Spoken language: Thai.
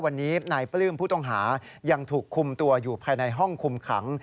วันนี้นายปลื้มผู้ต้องหายังถูกคุมตัวอยู่ภายในห้องคุมขัง